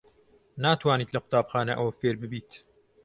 ناتوانیت لە قوتابخانە ئەوە فێر ببیت.